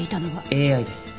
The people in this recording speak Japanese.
ＡＩです。